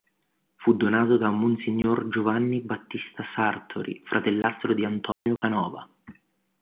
Fu donato da mons. Giovanni Battista Sartori, fratellastro di Antonio Canova.